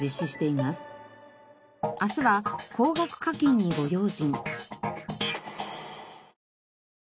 明日は高額課金にご用心。